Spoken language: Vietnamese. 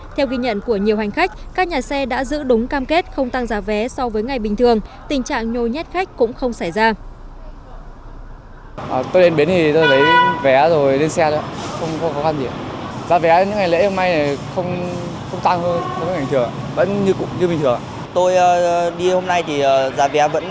theo ghi nhận của nhiều hành khách các nhà xe đã giữ đúng cam kết không tăng giá vé so với ngày bình thường tình trạng nhôi nhét khách cũng không xảy ra